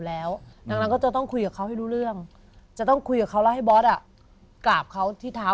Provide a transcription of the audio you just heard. แล้วจะต้องคุยกับเขาให้บอสกราบเขาที่เท้า